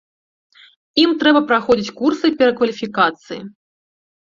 Ім трэба праходзіць курсы перакваліфікацыі.